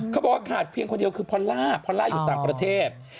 เขาบอกว่าขาดเพียงคนเดียวคือพอลล่าพอลล่าอยู่ต่างประเทศ